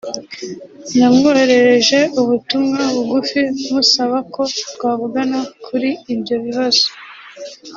namwoherereje ubutumwa bugufi musaba ko twavugana kuri ibyo bibazo